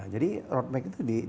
jadi roadmap itu